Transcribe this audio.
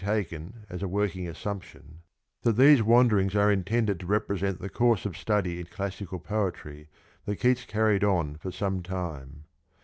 32 taken as a working assumption that these wanderings f are intended to represent the course of study in classical poetry that Keats carried on for some time.